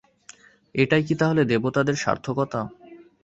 এটাই কি তাহলে দেবতাদের সার্থকতা?